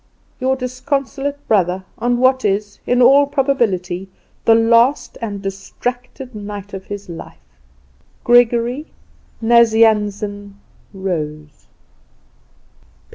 "Your disconsolate brother, on what is, in all probability, the last and distracted night of his life. "Gregory Nazianzen Rose.